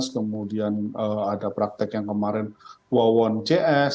kemudian ada praktek yang kemarin wawon cs